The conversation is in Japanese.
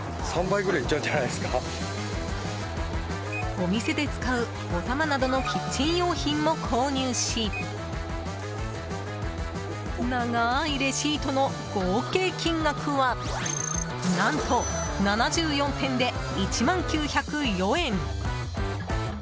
お店で使う、おたまなどのキッチン用品も購入し長ーいレシートの合計金額は何と、７４点で１万９０４円！